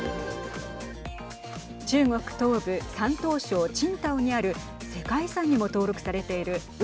中国東部、山東省青島にある世界遺産にも登録されている雲